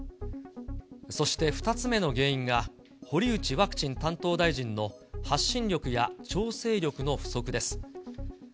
そして２つ目の原因が、堀内ワクチン担当大臣の発信力や調整力の不足です。